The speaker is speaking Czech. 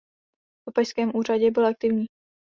V papežském úřadě byl aktivní.